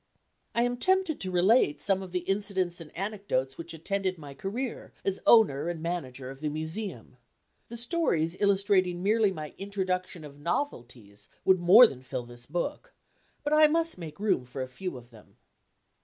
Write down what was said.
I am tempted to relate some of the incidents and anecdotes which attended my career as owner and manager of the Museum. The stories illustrating merely my introduction of novelties would more than fill this book, but I must make room for a few of them.